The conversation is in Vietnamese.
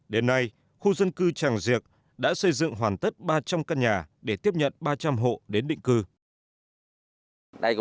đến nay khu dân cư tràng diệc đã xây dựng hoàn tất ba trăm linh căn nhà để tiếp nhận ba trăm linh hộ đến định cư